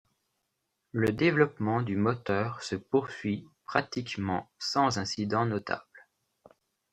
Le développement du moteur se poursuit pratiquement sans incident notable.